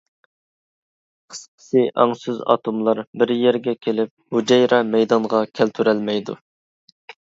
قىسقىسى، ئاڭسىز ئاتوملار بىر يەرگە كېلىپ ھۈجەيرە مەيدانغا كەلتۈرەلمەيدۇ.